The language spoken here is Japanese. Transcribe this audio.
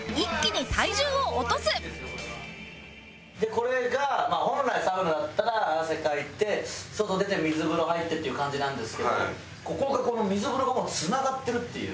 これが本来サウナだったら汗かいて外出て水風呂入ってっていう感じなんですけどここが水風呂がもうつながってるっていう。